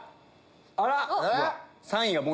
あら！